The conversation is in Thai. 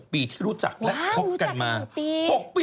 ๖ปีที่รู้จักและพบกันมาว้าวรู้จัก๖ปี